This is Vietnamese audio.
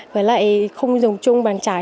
với lại không dùng chung bàn trải